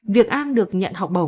việc an được nhận học bổng